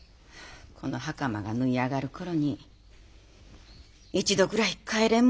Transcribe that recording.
この袴が縫い上がる頃に一度ぐらい帰れんもんやろか。